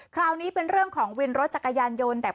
คราวนี้เป็นเรื่องของวินรถจักรยานยนต์แต่